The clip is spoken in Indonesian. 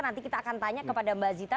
nanti kita akan tanya kepada mbak zita